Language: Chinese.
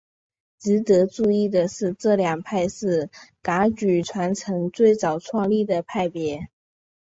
值得注意的是这两派是噶举传承最早创立的派别。